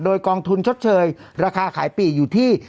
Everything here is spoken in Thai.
โดยกองทุนชดเชยราคาขายปีกอยู่ที่